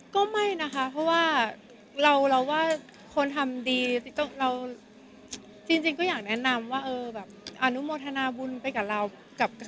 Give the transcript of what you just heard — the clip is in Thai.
ก็ไม่นะคะเพราะว่าเราว่าคนทำดีเราจริงก็อยากแนะนำว่าเออแบบอนุโมทนาบุญไปกับเรา